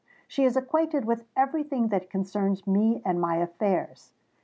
She is acquainted with every thing that concerns me and my affairs.